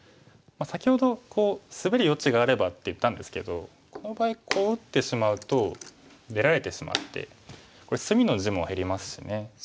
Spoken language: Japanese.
先ほどスベる余地があればって言ったんですけどこの場合こう打ってしまうと出られてしまってこれ隅の地も減りますしね。